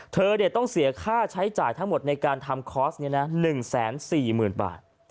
เธอต้องเสียค่าใช้จ่ายทั้งหมดในการทำคอร์สนี้นะ๑๔๐๐๐บาท